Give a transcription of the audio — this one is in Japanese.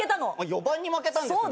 ４番に負けたんですね。